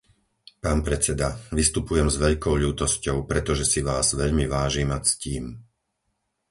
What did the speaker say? Pán predseda, vystupujem s veľkou ľútosťou, pretože si vás veľmi vážim a ctím.